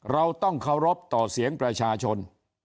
เราต้องเคารพต่อเสียงประชาชน